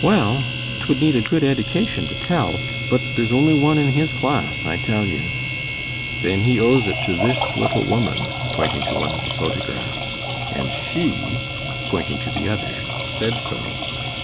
"Well, 'twould need a good eddication to tell, but there's only one in his class, I tell you." "Then he owes it to this little woman," pointing to one of the photographs, "and she," pointing to the other, "said so."